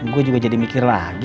gua juga jadi mikir lagi